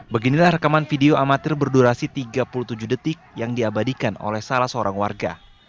beginilah rekaman video amatir berdurasi tiga puluh tujuh detik yang diabadikan oleh salah seorang warga